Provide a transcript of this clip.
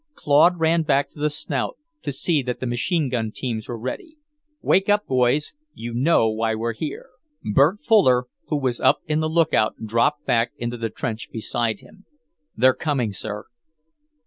Claude ran back to the Snout to see that the gun teams were ready. "Wake up, boys! You know why we're here!" Bert Fuller, who was up in the look out, dropped back into the trench beside him. "They're coming, sir."